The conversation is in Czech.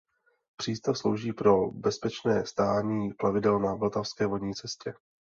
Přístav slouží pro bezpečné stání plavidel na Vltavské vodní cestě.